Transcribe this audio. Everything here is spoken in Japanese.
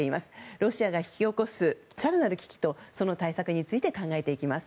ロシアが引き起こす更なる危機とその対策について考えていきます。